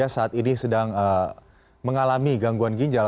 saat ini sedang mengalami gangguan ginjal